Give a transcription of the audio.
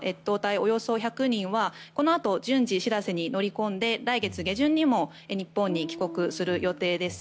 およそ１００人はこのあと順次「しらせ」に乗り込んで来月下旬にも日本に帰国する予定です。